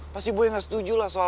pasti boleh gak setuju lah soal